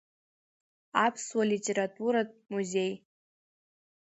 Аԥсуа литературатә музеи.